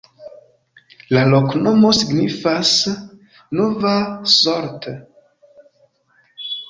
La loknomo signifas: nova-Solt.